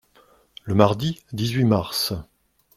Le mardi dix-huit mars.